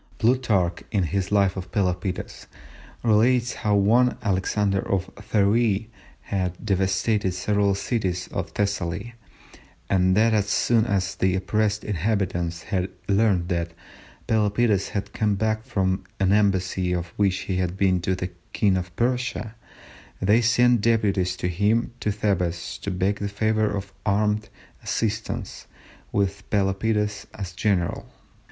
Plutarch, in his Life of Pelopidas, relates how one, Alexander of Pheræ, had devastated several cities of Thessaly, and that as soon as the oppressed inhabitants had learned that Pelopidas had come back from an embassy on which he had been to the King of Persia, they sent deputies to him to Thebes to beg the favour of armed assistance, with Pelopidas as general.